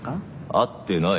会ってない。